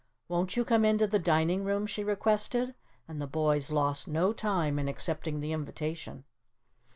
"Won't you come into the dining room?" she requested, and the boys lost no time in accepting the invitation.